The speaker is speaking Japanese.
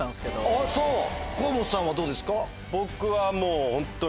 あぁそう河本さんはどうですか？